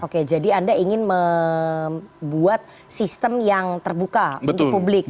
oke jadi anda ingin membuat sistem yang terbuka untuk publik